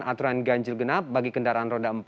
aturan ganjil genap bagi kendaraan roda empat